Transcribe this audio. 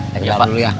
ya kita pergi dulu ya